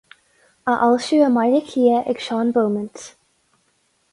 Á fhoilsiú i mBaile Átha Cliath ag Seán Beaumont.